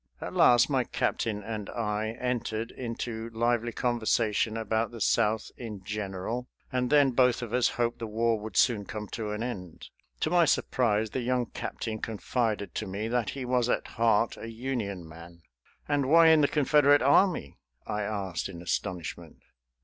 At last my captain and I entered into lively conversation about the South in general, and then both of us hoped the war would soon come to an end. To my surprise the young captain confided to me that he was, at heart, a Union man. "And why in the Confederate army?" I asked, in astonishment.